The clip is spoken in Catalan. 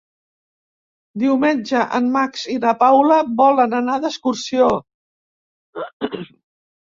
Diumenge en Max i na Paula volen anar d'excursió.